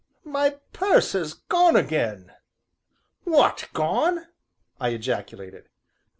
"My purse has gone again!" "What! gone!" I ejaculated.